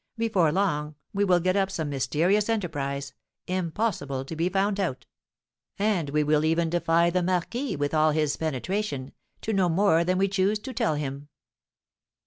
Before long we will get up some mysterious enterprise, impossible to be found out; and we will even defy the marquis, with all his penetration, to know more than we choose to tell him."